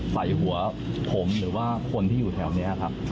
ใส่หัวผมหรือว่าคนที่อยู่แถวนี้ครับ